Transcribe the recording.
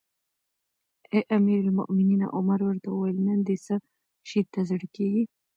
اې امیر المؤمنینه! عمر ورته وویل: نن دې څه شي ته زړه کیږي؟